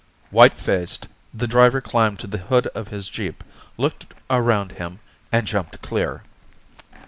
White faced, the driver climbed to the hood of his jeep, looked around him, and jumped clear.